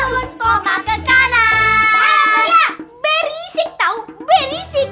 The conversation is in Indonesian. amalia berisik tau berisik